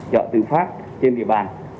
chợ tự phát trên địa bàn